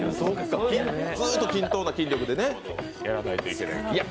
ずっと均等な筋肉でやらないといけないから。